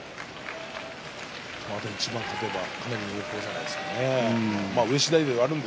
あと一番、勝てば濃厚じゃないですかね。